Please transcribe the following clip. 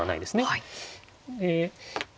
はい。